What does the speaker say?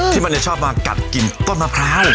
ที่มันจะชอบมากัดกลิ่นต้นมะพร้าว